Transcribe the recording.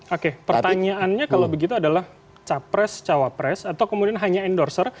oke pertanyaannya kalau begitu adalah capres cawapres atau kemudian hanya endorser